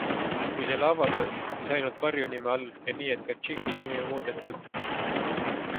Kui selle avaldad, siis ainult varjunime all ja nii, et ka tšiki nimi on muudetud.